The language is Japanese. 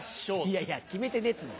いやいや決めてねえっつうの。